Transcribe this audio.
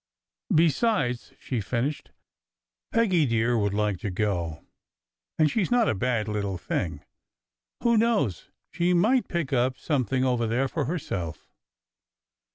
"Besides," she finished, "Peggy dear would like to go, and she s not a bad little thing. Who knows but she might pick up something over there for herself?